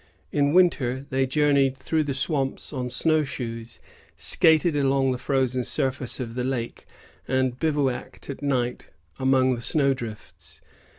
In winter, they journeyed through the swamps on snowshoes, skated along the frozen surface of the lake, and bivouacked at night among the snow drifts.